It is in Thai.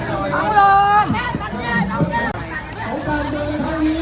ออกไปออกไปออกไป